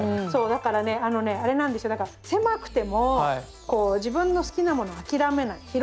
そうだからねあのねあれなんですよだから狭くてもこう自分の好きなものを諦めない。